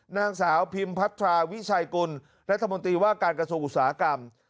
นางสาวพิมพัทราวิชัยกุลรัฐมนตรีว่าการกระทรวงอุตสาหกรรม